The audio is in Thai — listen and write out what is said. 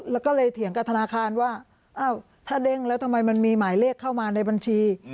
แล้วก็เลยเถียงกับธนาคารว่าถ้าเด้งแล้วทำไมมันมีหมายเลขเข้ามาในบัญชี